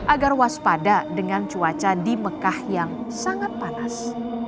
agar waspada dengan cuaca di mekah yang sangat panas